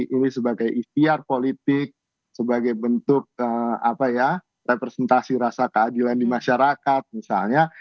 ini sebagai ikhtiar politik sebagai bentuk representasi rasa keadilan di masyarakat misalnya